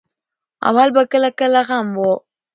اول به کله کله غم وو.